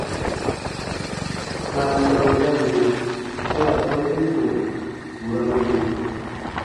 Baatɔn dabiru ta ra sɔ̃ti ko burarun sɔ̃,